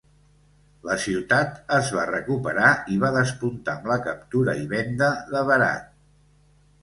La ciutat es va recuperar i va despuntar amb la captura i venda de verat.